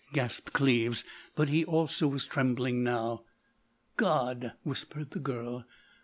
gasped Cleves; but he also was trembling now. "God!" whispered the girl.